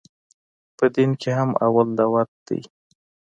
په دين کښې هم اول دعوت ديه.